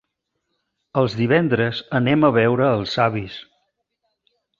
Els divendres anem a veure els avis.